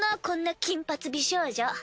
こんな金髪美少女。